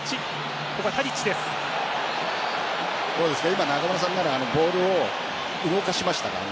今、中村さんならボールを動かしましたか？